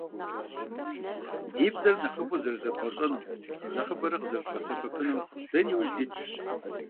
Ди бзэр нэхъыфӏу зэрызэдгъэщӀэнум, нэхъыбэрэ къызэрыдгъэсэбэпынум дэри иужь дитщ.